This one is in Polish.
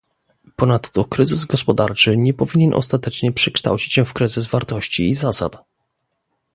Ponadto kryzys gospodarczy nie powinien ostatecznie przekształcić się w kryzys wartości i zasad